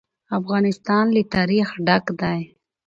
افغانستان له تاریخ ډک دی.